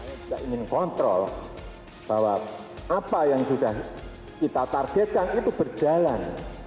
kita ingin kontrol bahwa apa yang sudah kita targetkan itu berjalan